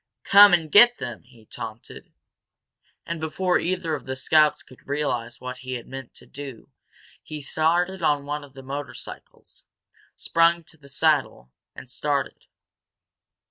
"Come and get them!" he taunted. And, before either of the scouts could realize what he meant to do he had started one of the motorcycles, sprung to the saddle, and started.